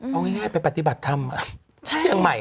เอาง่ายไปปฏิบัติธรรมที่เชียงใหม่